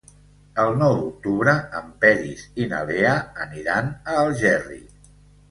El nou d'octubre en Peris i na Lea aniran a Algerri.